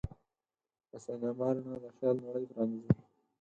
د سینما رڼا د خیال نړۍ پرانیزي.